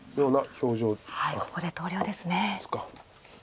ここで投了ですね。